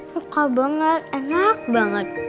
suka banget enak banget